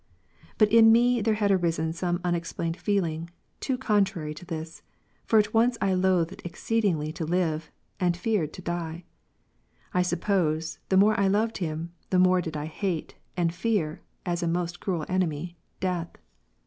But in me there had arisen some unexplained feeling, too contrary to this, for at once I loathed exceedingly to live, and feared to die. I sup pose the more I loved him, the more did I hate, and fear (as a most cruel enemy) death, which had bereaved me k"Were any to say, I had rather to be.